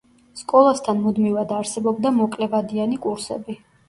სკოლასთან მუდმივად არსებობდა მოკლევადიანი კურსები.